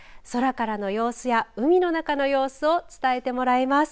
空からの様子や海の中の様子を伝えてもらいます。